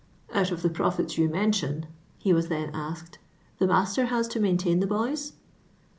" Out of the profits you mention," he was then asked, " the master has to maintain the boys